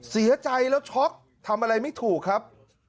เสียใจแล้วช็อกทำอะไรไม่ถูกครับ